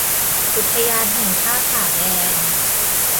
อุทยานแห่งชาติผาแดง